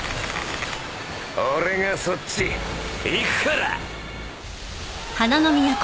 俺がそっち行くから！